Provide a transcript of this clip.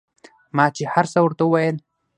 ما چې هرڅه ورته وويل.